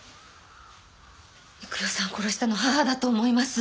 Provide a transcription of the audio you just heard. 幾代さんを殺したの義母だと思います。